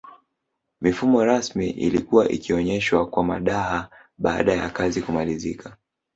Mifumo rasmi ilikuwa ikionyeshwa kwa madaha baada yakazi kumalizika